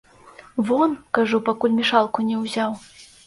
Вон, кажу, пакуль мешалку не ўзяў.